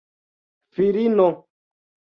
filino